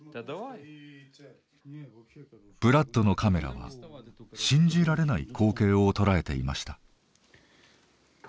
ブラッドのカメラは信じられない光景を捉えていました。